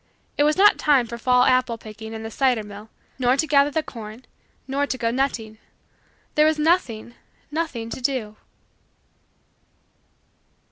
It was not time for fall apple picking and the cider mill, nor to gather the corn, nor to go nutting. There was nothing, nothing, to do.